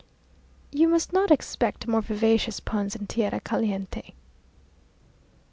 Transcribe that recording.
You must not expect more vivacious puns in tierra caliente.